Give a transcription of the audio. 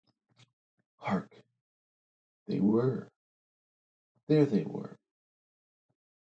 Hark! There they were.